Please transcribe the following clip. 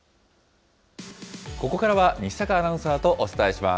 ここからは西阪アナウンサーとお伝えします。